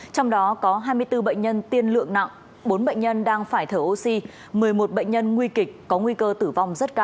trong đó có hai mươi bốn bệnh nhân tiên lượng nặng bốn bệnh nhân đang phải thở oxy một mươi một bệnh nhân nguy kịch có nguy cơ tử vong rất cao